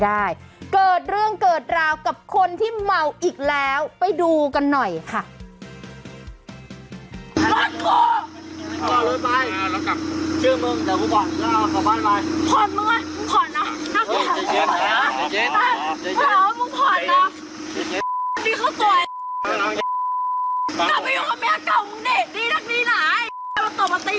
ไม่รู้ว่าเขาเข้าถูกไปเลย